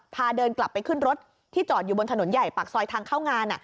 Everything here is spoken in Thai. เดินกลับไปขึ้นรถที่จอดอยู่บนถนนใหญ่ปากซอยทางเข้างาน